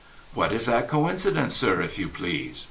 ' What is that coincidence, sir, if you please